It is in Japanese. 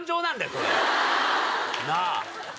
それ。なぁ！